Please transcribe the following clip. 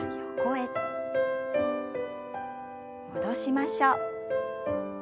戻しましょう。